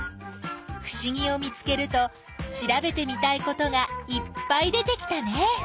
ふしぎを見つけると調べてみたいことがいっぱい出てきたね。